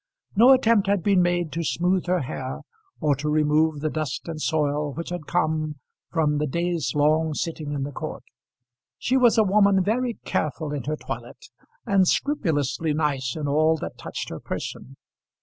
No attempt had been made to smooth her hair or to remove the dust and soil which had come from the day's long sitting in the court. She was a woman very careful in her toilet, and scrupulously nice in all that touched her person.